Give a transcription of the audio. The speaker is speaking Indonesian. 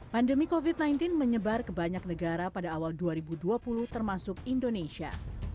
pandemi covid sembilan belas menyebar ke banyak negara pada awal dua ribu dua puluh termasuk indonesia